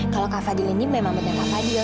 kalau kak fadil ini memang benar gak fadil